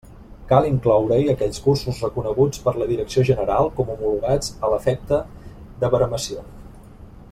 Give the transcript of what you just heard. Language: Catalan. Cal incloure-hi aquells cursos reconeguts per la Direcció General com homologats a l'efecte de baremació.